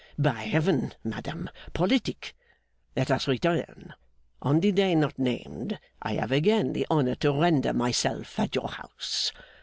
By Heaven, madame, politic! Let us return. On the day not named, I have again the honour to render myself at your house.